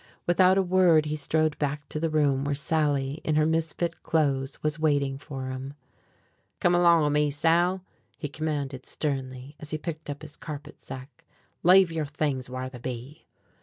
Without a word he strode back to the room where Sally in her misfit clothes was waiting for him. "Come along o' me, Sal," he commanded sternly as he picked up his carpet sack. "Leave your things whar they be."